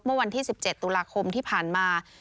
เมื่อวันที่๑๗ตุลาคมที่ผ่านมา